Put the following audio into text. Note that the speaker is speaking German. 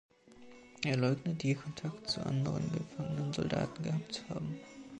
Er leugnet, je Kontakt zu anderen gefangenen Soldaten gehabt zu haben.